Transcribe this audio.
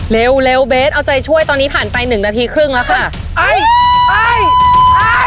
เร็วเร็วเบสเอาใจช่วยตอนนี้ผ่านไปหนึ่งนาทีครึ่งแล้วค่ะไปไป